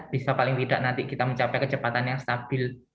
bisa paling tidak nanti kita mencapai kecepatan yang stabil